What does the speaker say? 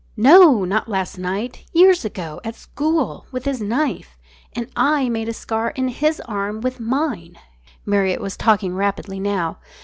"No, not last night. Years ago at school, with his knife. And I made a scar in his arm with mine." Marriott was talking rapidly now.